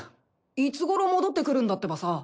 いつごろ戻ってくるんだってばさ？